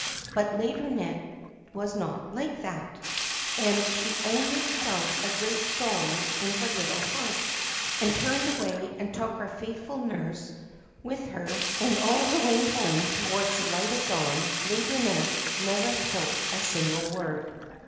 But Laideronnette was not like that, and she only felt a great sorrow in her little heart, and turned away and took her faithful nurse with her ; and all the way home towards the Light of Dawn, Laideronnette never spoke a single word.